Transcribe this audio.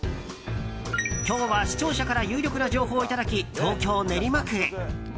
今日は視聴者から有力な情報をいただき東京・練馬区へ。